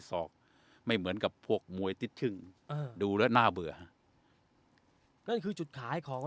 ศอกไม่เหมือนกับพวกมวยที่ดูแล้วน่าเบื่อคือจุดขายของแบบ